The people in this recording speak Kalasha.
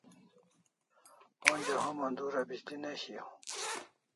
Onja homa dura bishli ne shiau